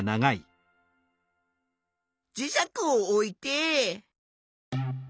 磁石を置いて。